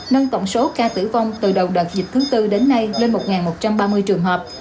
nâng tổng số ca tử vong từ đầu đợt dịch thứ tư đến nay lên một một trăm ba mươi trường hợp